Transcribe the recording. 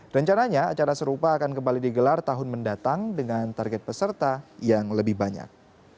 rencananya acara serupa akan kembali digelar tahun mendatang dengan target peserta yang lebih banyak